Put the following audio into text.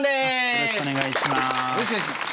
よろしくお願いします。